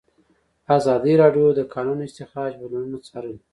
ازادي راډیو د د کانونو استخراج بدلونونه څارلي.